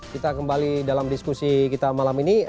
kita kembali dalam diskusi kita malam ini